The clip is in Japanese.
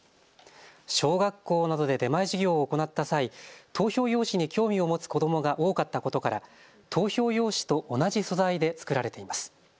小学校などで出前授業を行った際、投票用紙に興味を持つ子どもが多かったことから投票用紙と同じ素材で作られています。